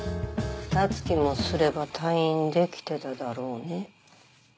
ふた月もすれば退院できてただろうね。